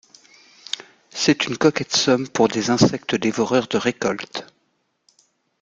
C'est une coquette somme pour des insectes dévoreurs de récoltes.